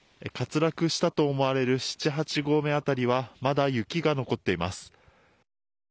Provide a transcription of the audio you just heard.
滑落したと思われる７８号目辺りはまだ雪が残っています。